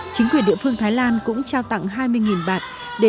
chính quyền địa phương thái lan cũng trao tặng hai mươi bạt